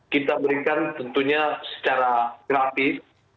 kita berikan tentunya secara gratis